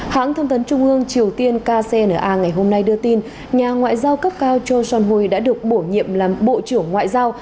hãng thông tấn trung ương triều tiên kcna ngày hôm nay đưa tin nhà ngoại giao cấp cao john son hui đã được bổ nhiệm làm bộ trưởng ngoại giao